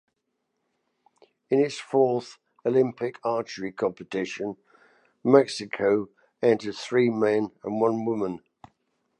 In its fourth Olympic archery competition, Mexico entered three men and one woman.